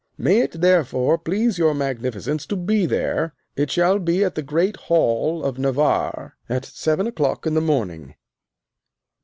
May it, therefore, please your magnificence to be there; it shall be at the great hall of Navarre at seven o'clock in the morning.